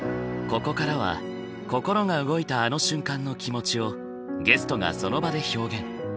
ここからは心が動いたあの瞬間の気持ちをゲストがその場で表現。